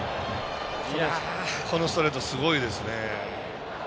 このストレートすごいですね。